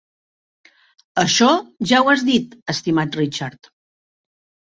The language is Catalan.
Això ja ho has dit, estimat Richard.